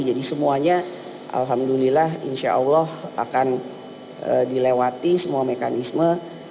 jadi semuanya alhamdulillah insya allah akan dilewati semua mekanisme